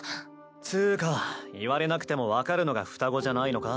つぅか言われなくても分かるのが双子じゃないのか？